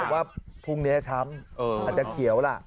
ว่าพรุ่งนี้ช้ำอาจจะเขียวล่ะ